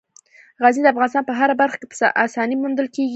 غزني د افغانستان په هره برخه کې په اسانۍ موندل کېږي.